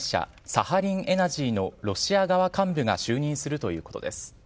サハリン・エナジーのロシア側幹部が就任するということです。